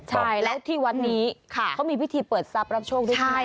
ใช่แล้วที่วัดนี้เขามีพิธีเปิดทรัพย์รับโชคด้วย